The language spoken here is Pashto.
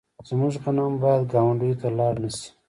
زموږ غنم باید ګاونډیو ته لاړ نشي.